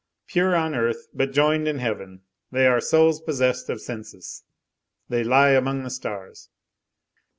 Pure on earth, but joined in heaven. They are souls possessed of senses. They lie among the stars."